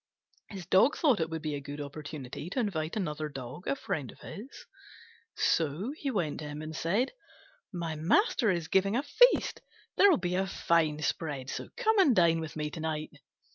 His dog thought it would be a good opportunity to invite another Dog, a friend of his; so he went to him and said, "My master is giving a feast: there'll be a fine spread, so come and dine with me to night."